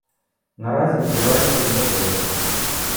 Наразі триває підготовка.